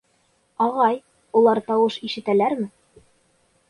— Ағай, улар тауыш ишетәләрме?